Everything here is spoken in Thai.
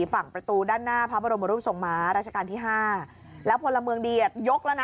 ฝั่งประตูด้านหน้าพระบรมรูปทรงม้าราชการที่ห้าแล้วพลเมืองดีอ่ะยกแล้วนะ